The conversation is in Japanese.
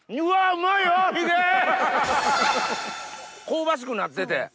香ばしくなってて。